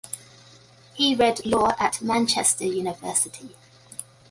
He read law at Manchester University.